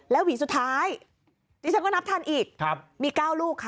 หวีสุดท้ายดิฉันก็นับทันอีกมี๙ลูกค่ะ